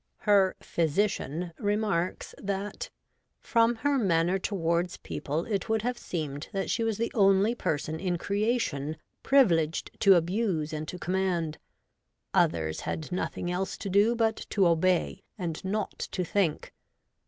Her ' physician ' remarks that ' from her manner toward^ people it would have seemed that she was the only person in creation privileged to abuse and to command ; others had nothing else to do but to obey and not to think.